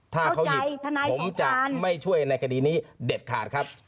ถ้าเขาหยิบผมจะไม่ช่วยในคดีนี้เด็ดขาดครับ